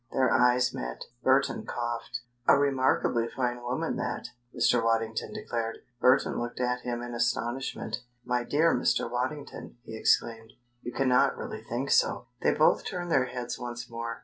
Their eyes met. Burton coughed. "A remarkably fine woman, that," Mr. Waddington declared. Burton looked at him in astonishment. "My dear Mr. Waddington!" he exclaimed. "You cannot really think so!" They both turned their heads once more.